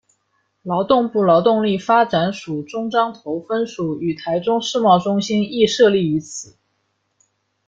劳动部劳动力发展署中彰投分署与台中世贸中心亦设立于此。